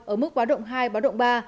ở mức báo động hai báo động ba